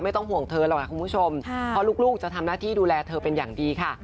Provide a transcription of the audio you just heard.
ไม่ต้องห่วงเธอหรอกคุณผู้ชมเพราะลูกจะทำหน้าที่ดูแลเธอเป็นอย่างดีค่ะ